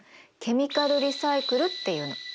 ケミカルリサイクルっていうの。